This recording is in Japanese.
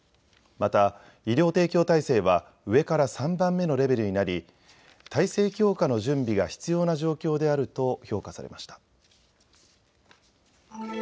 また、医療提供体制は上から３番目のレベルになり体制強化の準備が必要な状況であると評価されました。